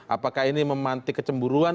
apakah ini memanti kecemburuan